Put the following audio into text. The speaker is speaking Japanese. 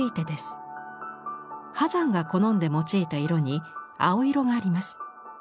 波山が好んで用いた色に青色があります。